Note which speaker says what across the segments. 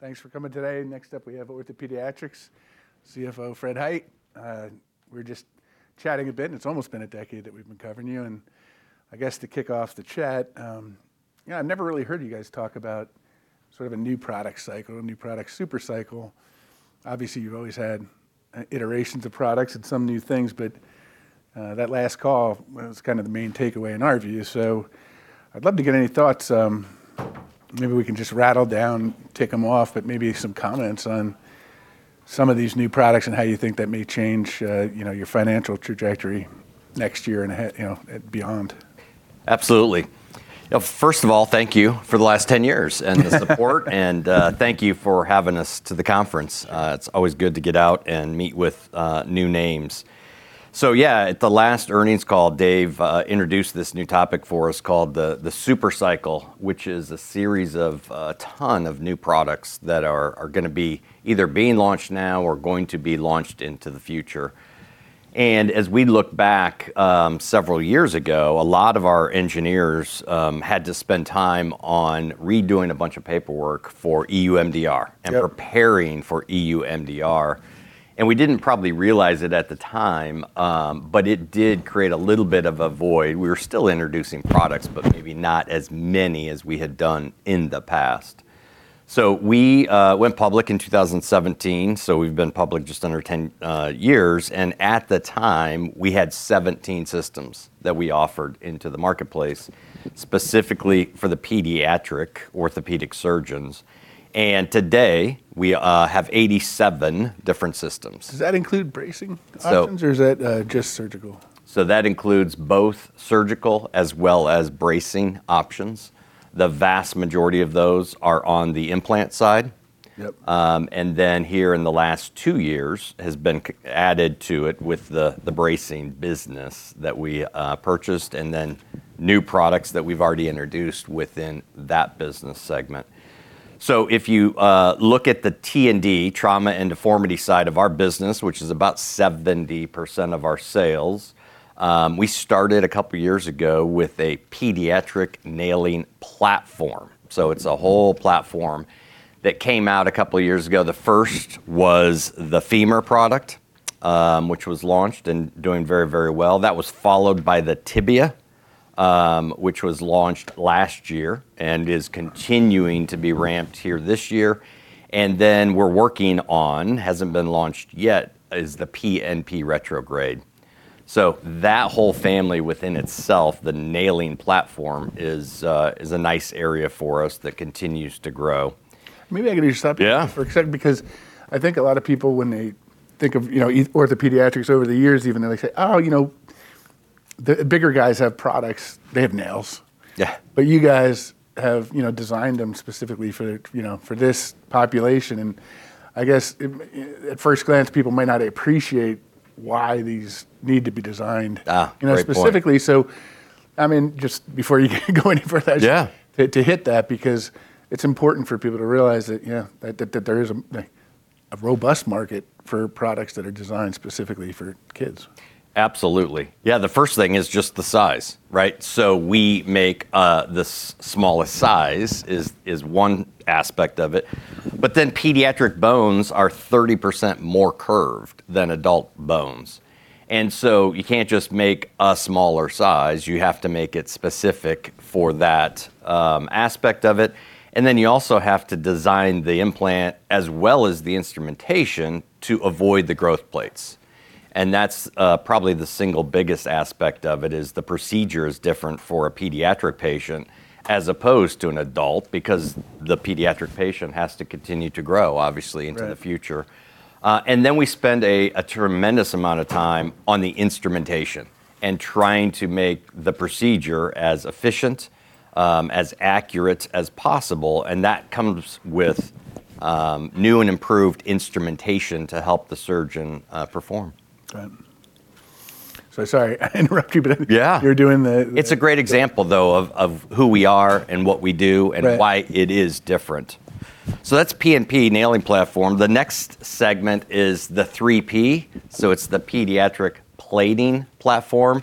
Speaker 1: Thanks for coming today. Next up, we have OrthoPediatrics CFO, Fred Hite. We're just chatting a bit, and it's almost been a decade that we've been covering you. I guess to kick off the chat, yeah, I've never really heard you guys talk about sort of a new product cycle, a new product Super Cycle. Obviously, you've always had iterations of products and some new things, but that last call was kind of the main takeaway in our view. I'd love to get any thoughts. Maybe we can just rattle down, tick them off, but maybe some comments on some of these new products and how you think that may change, you know, your financial trajectory next year and you know, and beyond.
Speaker 2: Absolutely. Now, first of all, thank you for the last 10 years and the support, and thank you for having us to the conference. It's always good to get out and meet with new names. So yeah, at the last earnings call, Dave introduced this new topic for us called the Super Cycle, which is a series of a ton of new products that are going to be either being launched now or going to be launched into the future. As we look back, several years ago, a lot of our engineers had to spend time on redoing a bunch of paperwork for EU MDR.
Speaker 1: Yep
Speaker 2: preparing for EU MDR, and we didn't probably realize it at the time, but it did create a little bit of a void. We were still introducing products, but maybe not as many as we had done in the past. We went public in 2017, so we've been public just under 10 years, and at the time, we had 17 systems that we offered into the marketplace, specifically for the pediatric orthopedic surgeons. Today, we have 87 different systems.
Speaker 1: Does that include bracing options?
Speaker 2: So-
Speaker 1: Is that just surgical?
Speaker 2: That includes both surgical as well as bracing options. The vast majority of those are on the implant side.
Speaker 1: Yep.
Speaker 2: Here in the last two years has been added to it with the bracing business that we purchased, and then new products that we've already introduced within that business segment. If you look at the T&D, trauma and deformity side of our business, which is about 70% of our sales, we started a couple years ago with a pediatric nailing platform. It's a whole platform that came out a couple years ago. The first was the femur product, which was launched and doing very, very well. That was followed by the tibia, which was launched last year and is continuing to be ramped here this year. The one we're working on hasn't been launched yet. It is the PNP retrograde. That whole family within itself, the Nailing Platform, is a nice area for us that continues to grow.
Speaker 1: Maybe I can just stop you there.
Speaker 2: Yeah
Speaker 1: ...for a second, because I think a lot of people, when they think of, you know, OrthoPediatrics over the years even, they say, "Oh, you know, the bigger guys have products, they have nails.
Speaker 2: Yeah.
Speaker 1: You guys have, you know, designed them specifically for, you know, for this population. I guess at first glance, people may not appreciate why these need to be designed.
Speaker 2: Great point.
Speaker 1: You know, specifically. I mean, just before you go any further-
Speaker 2: Yeah
Speaker 1: to hit that because it's important for people to realize that, you know, there is a robust market for products that are designed specifically for kids.
Speaker 2: Absolutely. Yeah, the first thing is just the size, right? The smallest size is one aspect of it. Pediatric bones are 30% more curved than adult bones. You can't just make a smaller size, you have to make it specific for that aspect of it. You also have to design the implant as well as the instrumentation to avoid the growth plates. That's probably the single biggest aspect of it, the procedure is different for a pediatric patient as opposed to an adult because the pediatric patient has to continue to grow, obviously.
Speaker 1: Right
Speaker 2: ...into the future. We spend a tremendous amount of time on the instrumentation and trying to make the procedure as efficient, as accurate as possible, and that comes with new and improved instrumentation to help the surgeon perform.
Speaker 1: Okay. Sorry, I interrupted you, but.
Speaker 2: Yeah
Speaker 1: you're doing the
Speaker 2: It's a great example though, of who we are and what we do.
Speaker 1: Right
Speaker 2: ...and why it is different. That's PNP nailing platform. The next segment is the 3P, so it's the pediatric plating platform.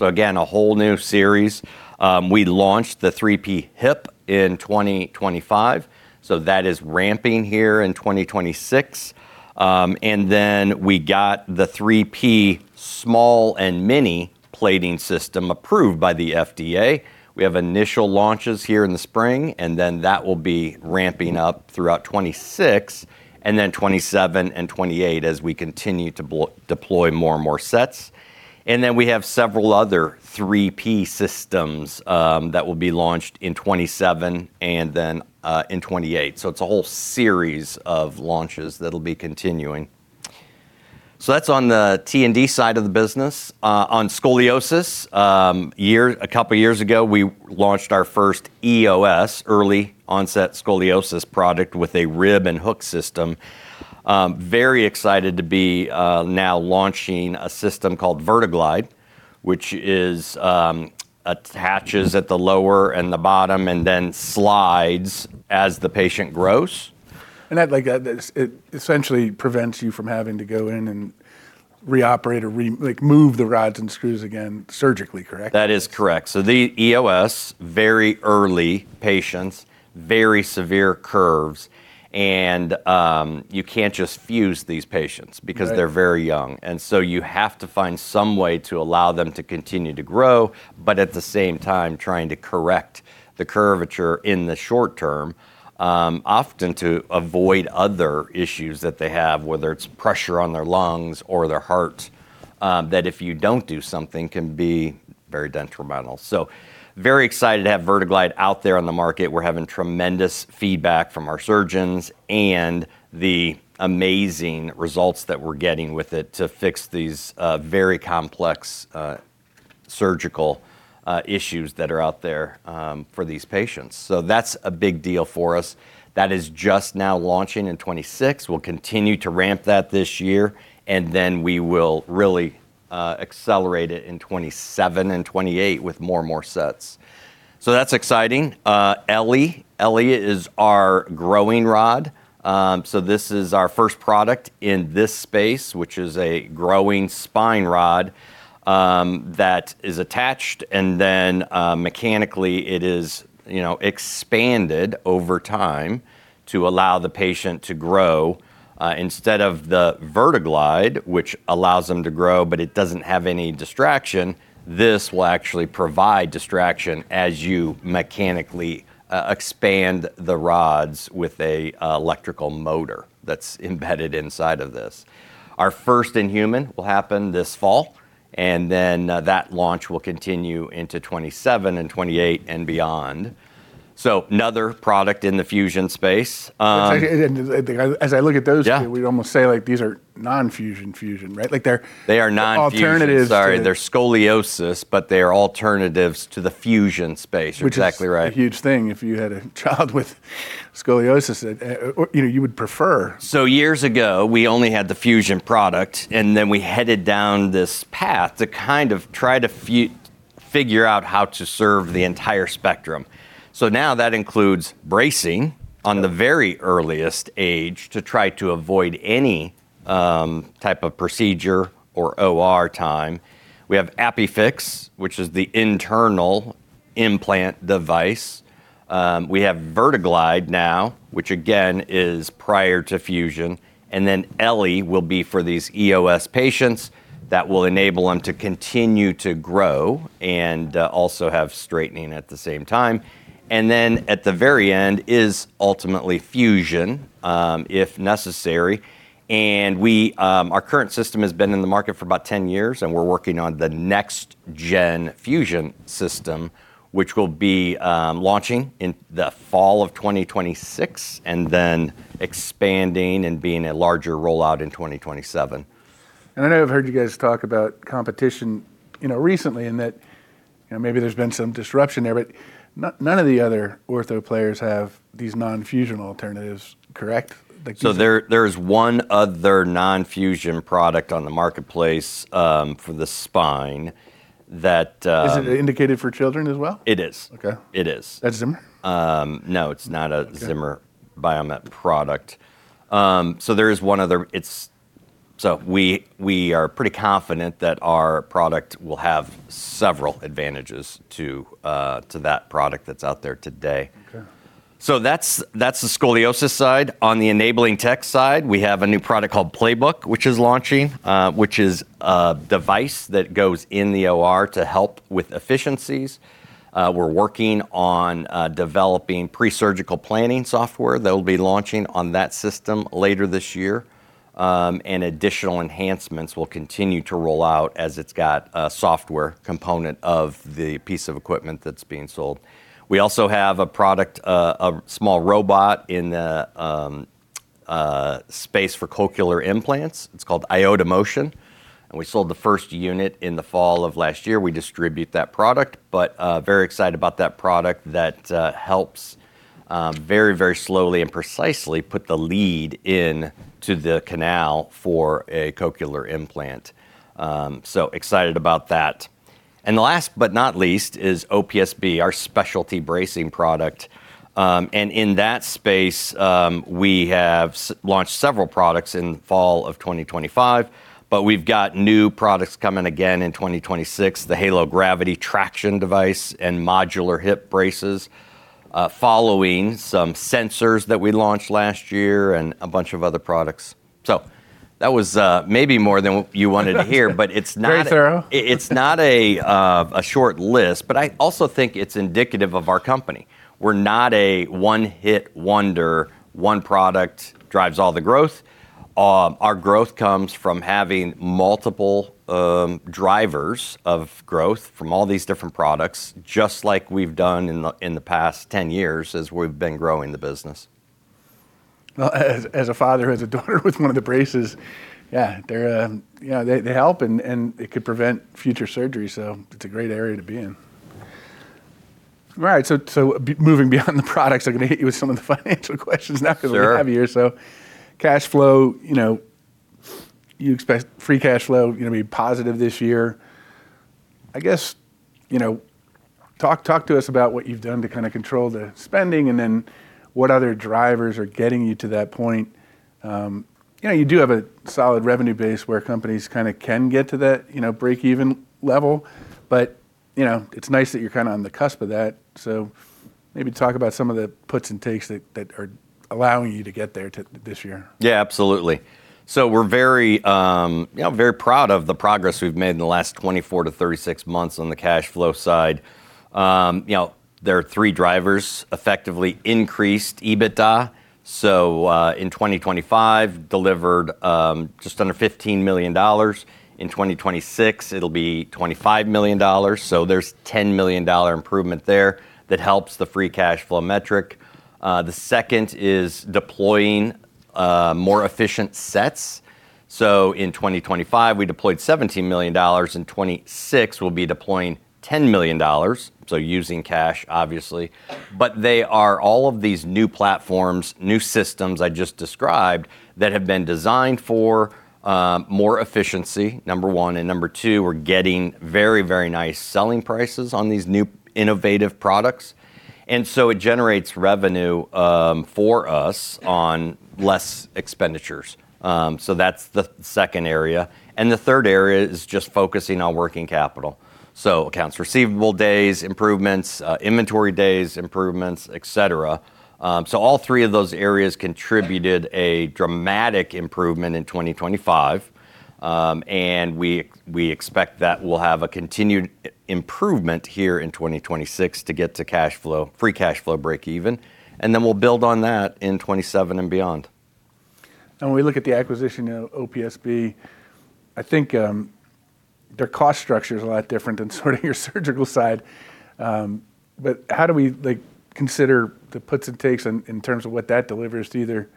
Speaker 2: Again, a whole new series. We launched the 3P Hip in 2025, so that is ramping here in 2026. And then we got the 3P Small and Mini plating system approved by the FDA. We have initial launches here in the spring, and then that will be ramping up throughout 2026 and then 2027 and 2028 as we continue to deploy more and more sets. We have several other 3P systems that will be launched in 2027 and then in 2028. It's a whole series of launches that'll be continuing. That's on the T&D side of the business. On scoliosis, a couple years ago, we launched our first EOS, early onset scoliosis product with a rib and hook system. Very excited to be now launching a system called VertiGlide, which is attaches at the lower and the bottom and then slides as the patient grows.
Speaker 1: That like, this, it essentially prevents you from having to go in and reoperate or like move the rods and screws again surgically, correct?
Speaker 2: That is correct. The EOS, very early patients, very severe curves, and you can't just fuse these patients.
Speaker 1: Right
Speaker 2: Because they're very young. You have to find some way to allow them to continue to grow, but at the same time trying to correct the curvature in the short term, often to avoid other issues that they have, whether it's pressure on their lungs or their heart, that if you don't do something can be very detrimental. Very excited to have VertiGlide out there on the market. We're having tremendous feedback from our surgeons and the amazing results that we're getting with it to fix these very complex surgical issues that are out there for these patients. That's a big deal for us. That is just now launching in 2026. We'll continue to ramp that this year, and then we will really accelerate it in 2027 and 2028 with more and more sets. That's exciting. ELLi. ELLi is our growing rod. This is our first product in this space, which is a growing spine rod, that is attached, and then, mechanically it is, you know, expanded over time to allow the patient to grow. Instead of the VertiGlide, which allows them to grow, but it doesn't have any distraction, this will actually provide distraction as you mechanically expand the rods with an electrical motor that's embedded inside of this. Our first in human will happen this fall, and then, that launch will continue into 2027 and 2028 and beyond. Another product in the fusion space,
Speaker 1: As I look at those two.
Speaker 2: Yeah
Speaker 1: We'd almost say like these are non-fusion fusion, right? Like they're
Speaker 2: They are non-fusion.
Speaker 1: ...alternatives to-
Speaker 2: Sorry, they're for scoliosis, but they are alternatives to the fusion space. You're exactly right.
Speaker 1: Which is a huge thing if you had a child with scoliosis. You know, you would prefer.
Speaker 2: Years ago, we only had the fusion product, and then we headed down this path to kind of try to figure out how to serve the entire spectrum. Now that includes bracing on the very earliest age to try to avoid any type of procedure or OR time. We have ApiFix, which is the internal implant device. We have VertiGlide now, which again, is prior to fusion, and then eLLi will be for these EOS patients that will enable them to continue to grow and also have straightening at the same time. Then at the very end is ultimately fusion, if necessary. Our current system has been in the market for about 10 years, and we're working on the next gen fusion system, which will be launching in the fall of 2026 and then expanding and being a larger rollout in 2027.
Speaker 1: I know I've heard you guys talk about competition, you know, recently and that, you know, maybe there's been some disruption there, but none of the other ortho players have these non-fusion alternatives, correct? Like you said-
Speaker 2: There's one other non-fusion product on the marketplace for the spine that
Speaker 1: Is it indicated for children as well?
Speaker 2: It is.
Speaker 1: Okay.
Speaker 2: It is.
Speaker 1: That Zimmer?
Speaker 2: No, it's not.
Speaker 1: Okay
Speaker 2: Zimmer Biomet product. We are pretty confident that our product will have several advantages to that product that's out there today.
Speaker 1: Okay.
Speaker 2: That's the scoliosis side. On the enabling tech side, we have a new product called Playbook, which is launching, which is a device that goes in the OR to help with efficiencies. We're working on developing pre-surgical planning software that will be launching on that system later this year. Additional enhancements will continue to roll out as it's got a software component of the piece of equipment that's being sold. We also have a product, a small robot in the space for cochlear implants. It's called iotaMotion, and we sold the first unit in the fall of last year. We distribute that product, but very excited about that product that helps very slowly and precisely put the lead into the canal for a cochlear implant. Excited about that. The last but not least is OPSB, our specialty bracing product. In that space, we have launched several products in fall of 2025, but we've got new products coming again in 2026, the Halo-gravity traction device and modular hip braces, following some sensors that we launched last year and a bunch of other products. That was maybe more than you wanted to hear.
Speaker 1: Very thorough.
Speaker 2: It's not a short list, but I also think it's indicative of our company. We're not a one-hit wonder, one product drives all the growth. Our growth comes from having multiple drivers of growth from all these different products, just like we've done in the past 10 years as we've been growing the business.
Speaker 1: Well, as a father, as a daughter with one of the braces, yeah, they're, you know, they help and it could prevent future surgery, so it's a great area to be in. Right. Moving beyond the products, I'm gonna hit you with some of the financial questions now because we have here.
Speaker 2: Sure.
Speaker 1: Cash flow, you know, you expect free cash flow, you know, to be positive this year. I guess, you know, talk to us about what you've done to kind of control the spending and then what other drivers are getting you to that point. You know, you do have a solid revenue base where companies kind of can get to that, you know, break-even level. You know, it's nice that you're kind of on the cusp of that. Maybe talk about some of the puts and takes that that are allowing you to get there this year.
Speaker 2: Yeah, absolutely. We're very, you know, very proud of the progress we've made in the last 24-36 months on the cash flow side. You know, there are three drivers effectively increased EBITDA. In 2025 delivered just under $15 million. In 2026, it'll be $25 million. There's $10 million dollar improvement there that helps the free cash flow metric. The second is deploying more efficient sets. In 2025, we deployed $17 million. In 2026, we'll be deploying $10 million, so using cash, obviously. But they are all of these new platforms, new systems I just described that have been designed for more efficiency, number one. Number two, we're getting very, very nice selling prices on these new innovative products. So it generates revenue for us on less expenditures. That's the second area. The third area is just focusing on working capital. Accounts receivable days improvements, inventory days improvements, et cetera. All three of those areas contributed a dramatic improvement in 2025. We expect that we'll have a continued improvement here in 2026 to get to cash flow free cash flow break even, and then we'll build on that in 2027 and beyond.
Speaker 1: When we look at the acquisition of OPSB, I think their cost structure is a lot different than sort of your surgical side. How do we, like, consider the puts and takes in terms of what that delivers to either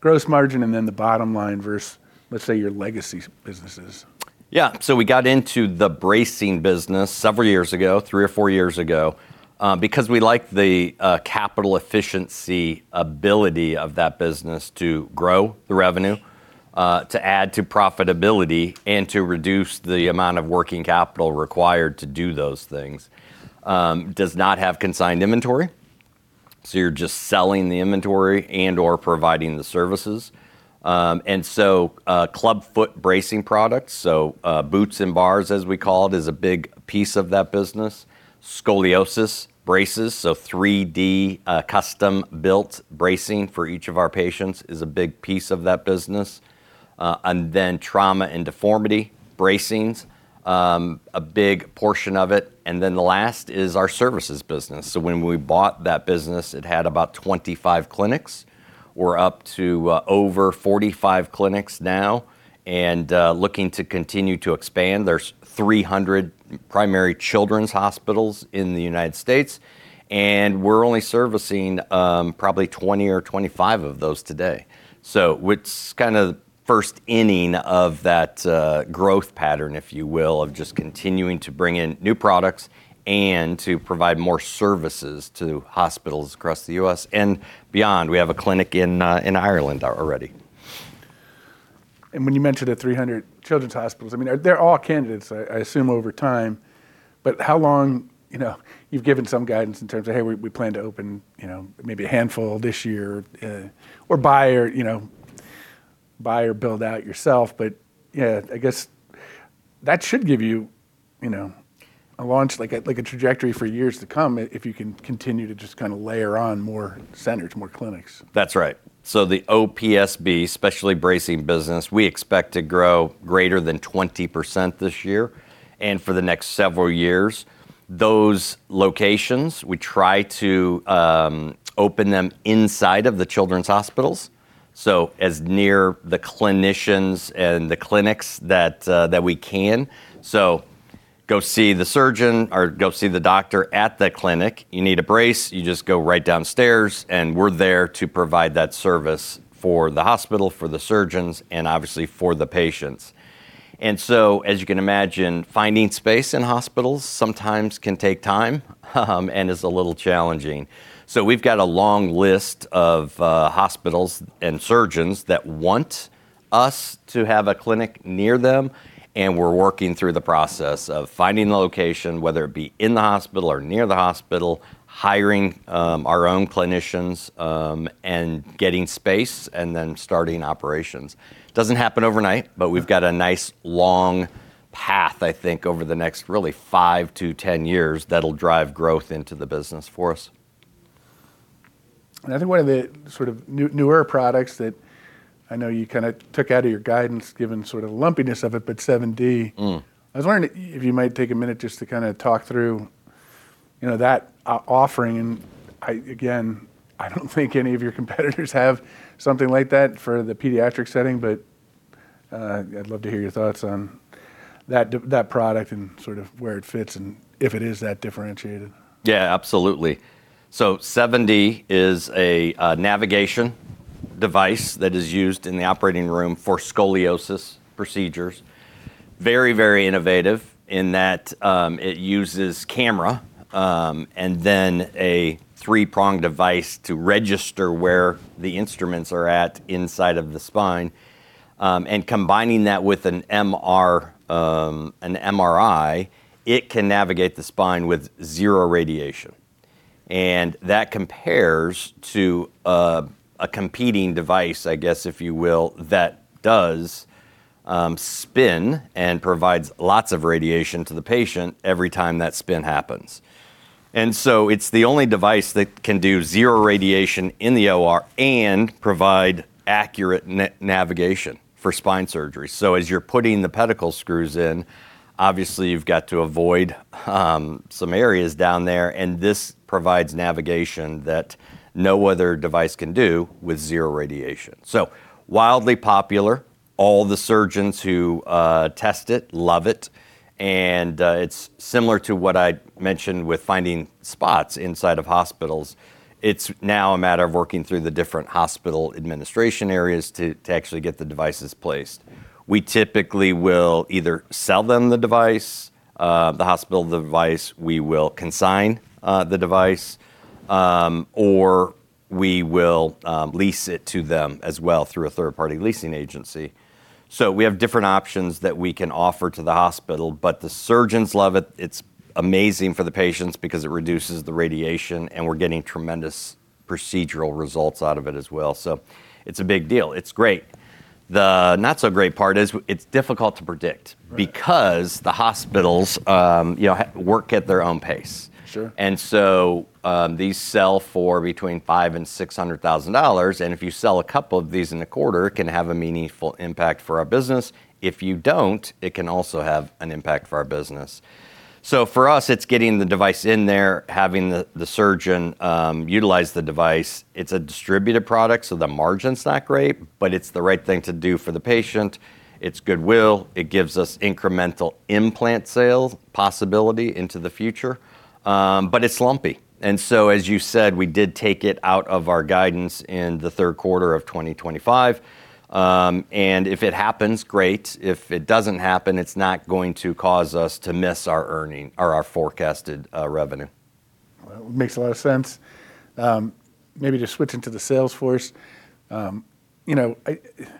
Speaker 1: gross margin and then the bottom line versus, let's say, your legacy businesses?
Speaker 2: Yeah. We got into the bracing business several years ago, three or four years ago, because we like the capital efficiency ability of that business to grow the revenue to add to profitability, and to reduce the amount of working capital required to do those things. It does not have consigned inventory, so you're just selling the inventory and/or providing the services. Clubfoot bracing products, boots and bars, as we call it, is a big piece of that business. Scoliosis braces, 3D custom-built bracing for each of our patients is a big piece of that business. Trauma and deformity bracings, a big portion of it. The last is our services business. When we bought that business, it had about 25 clinics. We're up to over 45 clinics now and looking to continue to expand. There's 300 primary children's hospitals in the United States, and we're only servicing probably 20 or 25 of those today. It's kind of first inning of that growth pattern, if you will, of just continuing to bring in new products and to provide more services to hospitals across the U.S. and beyond. We have a clinic in Ireland already.
Speaker 1: When you mentioned the 300 children's hospitals, I mean, they're all candidates, I assume, over time. How long, you know, you've given some guidance in terms of, "Hey, we plan to open, you know, maybe a handful this year," or buy or, you know, buy or build out yourself. Yeah, I guess that should give you know, a launch, like a trajectory for years to come if you can continue to just kind of layer on more centers, more clinics.
Speaker 2: That's right. The OPSB Specialty Bracing business, we expect to grow greater than 20% this year and for the next several years. Those locations, we try to open them inside of the children's hospitals, so as near the clinicians and the clinics that we can. Go see the surgeon or go see the doctor at the clinic. You need a brace, you just go right downstairs, and we're there to provide that service for the hospital, for the surgeons, and obviously for the patients. As you can imagine, finding space in hospitals sometimes can take time and is a little challenging. We've got a long list of hospitals and surgeons that want us to have a clinic near them, and we're working through the process of finding the location, whether it be in the hospital or near the hospital, hiring our own clinicians, and getting space, and then starting operations. It doesn't happen overnight, but we've got a nice long path, I think, over the next really 5-10 years that'll drive growth into the business for us.
Speaker 1: I think one of the sort of newer products that I know you kind of took out of your guidance given sort of the lumpiness of it, but 7D.
Speaker 2: Mm.
Speaker 1: I was wondering if you might take a minute just to kind of talk through, you know, that offering. I, again, don't think any of your competitors have something like that for the pediatric setting, but I'd love to hear your thoughts on that product and sort of where it fits and if it is that differentiated.
Speaker 2: Yeah, absolutely. 7D is a navigation device that is used in the operating room for scoliosis procedures. Very, very innovative in that, it uses camera and then a three-pronged device to register where the instruments are at inside of the spine. Combining that with an MRI, it can navigate the spine with zero radiation. That compares to a competing device, I guess, if you will, that does spin and provides lots of radiation to the patient every time that spin happens. It's the only device that can do zero radiation in the OR and provide accurate navigation for spine surgery. As you're putting the pedicle screws in, obviously you've got to avoid some areas down there, and this provides navigation that no other device can do with zero radiation. Wildly popular. All the surgeons who test it love it. It's similar to what I mentioned with finding spots inside of hospitals. It's now a matter of working through the different hospital administration areas to actually get the devices placed. We typically will either sell the hospital the device, we will consign the device, or we will lease it to them as well through a third-party leasing agency. We have different options that we can offer to the hospital, but the surgeons love it. It's amazing for the patients because it reduces the radiation, and we're getting tremendous procedural results out of it as well, so it's a big deal. It's great. The not so great part is it's difficult to predict.
Speaker 1: Right...
Speaker 2: because the hospitals, you know, work at their own pace.
Speaker 1: Sure.
Speaker 2: These sell for between $500,000 and $600,000, and if you sell a couple of these in a quarter, it can have a meaningful impact for our business. If you don't, it can also have an impact for our business. For us, it's getting the device in there, having the surgeon utilize the device. It's a distributed product, so the margin's not great, but it's the right thing to do for the patient. It's goodwill. It gives us incremental implant sales possibility into the future. But it's lumpy. As you said, we did take it out of our guidance in the third quarter of 2025. And if it happens, great. If it doesn't happen, it's not going to cause us to miss our earnings or our forecasted revenue.
Speaker 1: Well, it makes a lot of sense. Maybe just switching to the sales force. You know,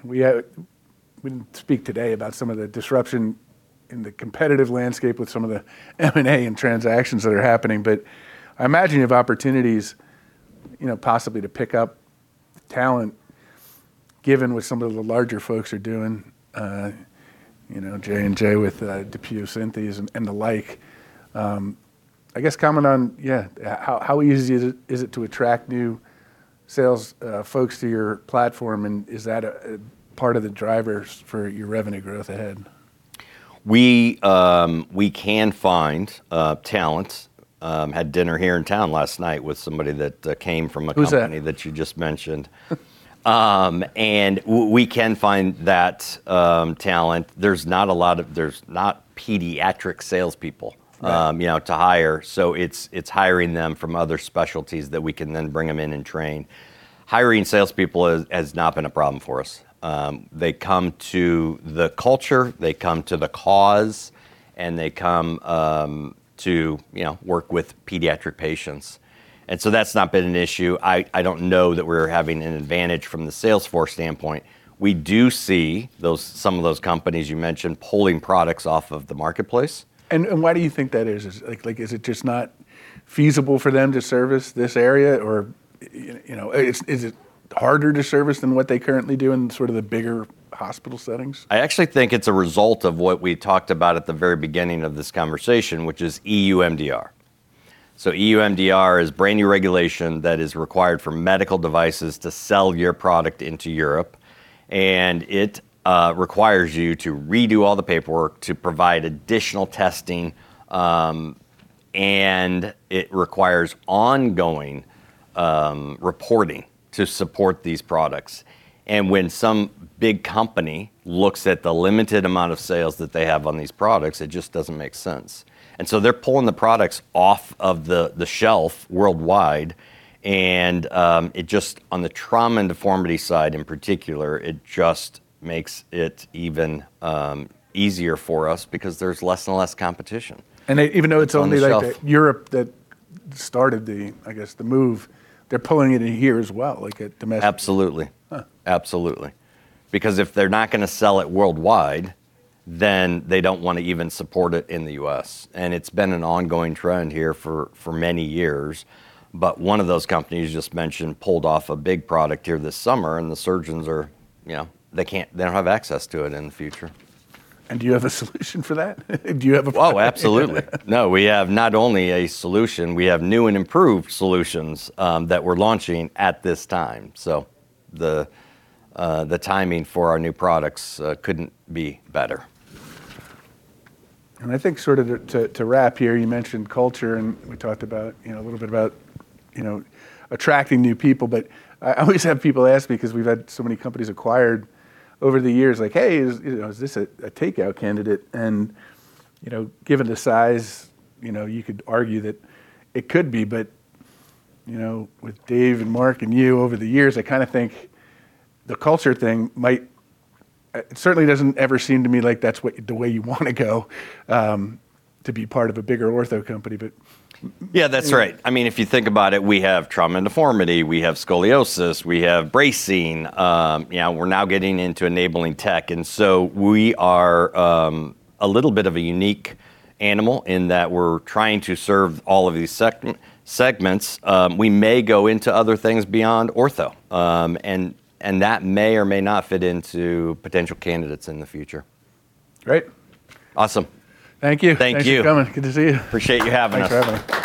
Speaker 1: we didn't speak today about some of the disruption in the competitive landscape with some of the M&A and transactions that are happening. I imagine you have opportunities, you know, possibly to pick up talent, given what some of the larger folks are doing, you know, J&J with DePuy Synthes and the like. I guess comment on how easy is it to attract new sales folks to your platform, and is that a part of the drivers for your revenue growth ahead?
Speaker 2: We can find talent. Had dinner here in town last night with somebody that came from a company-
Speaker 1: Who's that?
Speaker 2: that you just mentioned. We can find that talent. There's not a lot of pediatric salespeople-
Speaker 1: Right
Speaker 2: You know, to hire, so it's hiring them from other specialties that we can then bring them in and train. Hiring salespeople has not been a problem for us. They come to the culture, they come to the cause, and they come to, you know, work with pediatric patients. That's not been an issue. I don't know that we're having an advantage from the sales force standpoint. We do see some of those companies you mentioned pulling products off of the marketplace.
Speaker 1: Why do you think that is? Is like, is it just not feasible for them to service this area? Or, you know, is it harder to service than what they currently do in sort of the bigger hospital settings?
Speaker 2: I actually think it's a result of what we talked about at the very beginning of this conversation, which is EU MDR. EU MDR is brand-new regulation that is required for medical devices to sell your product into Europe, and it requires you to redo all the paperwork to provide additional testing, and it requires ongoing reporting to support these products. When some big company looks at the limited amount of sales that they have on these products, it just doesn't make sense. They're pulling the products off of the shelf worldwide, and it just on the trauma and deformity side in particular, it just makes it even easier for us because there's less and less competition.
Speaker 1: Even though it's only like the
Speaker 2: It's on the shelf.
Speaker 1: Europe that started the, I guess, the move, they're pulling it in here as well, like at domestic.
Speaker 2: Absolutely.
Speaker 1: Huh.
Speaker 2: Absolutely. Because if they're not gonna sell it worldwide, then they don't wanna even support it in the US, and it's been an ongoing trend here for many years. One of those companies you just mentioned pulled off a big product here this summer, and the surgeons are, you know, they don't have access to it in the future.
Speaker 1: Do you have a solution for that?
Speaker 2: Oh, absolutely. No, we have not only a solution, we have new and improved solutions that we're launching at this time. The timing for our new products couldn't be better.
Speaker 1: I think sort of to wrap here, you mentioned culture, and we talked about, you know, a little bit about, you know, attracting new people. I always have people ask me, because we've had so many companies acquired over the years, like, "Hey, is this a takeout candidate?" You know, given the size, you know, you could argue that it could be. But, you know, with Dave and Mark and you over the years, I kind of think the culture thing might. It certainly doesn't ever seem to me like that's what the way you wanna go to be part of a bigger ortho company, but.
Speaker 2: Yeah, that's right. I mean, if you think about it, we have trauma and deformity, we have scoliosis, we have bracing, you know, we're now getting into enabling tech. We are a little bit of a unique animal in that we're trying to serve all of these segments. We may go into other things beyond ortho. That may or may not fit into potential candidates in the future.
Speaker 1: Great.
Speaker 2: Awesome.
Speaker 1: Thank you.
Speaker 2: Thank you.
Speaker 1: Thanks for coming. Good to see you.
Speaker 2: Appreciate you having us. Thanks for having me.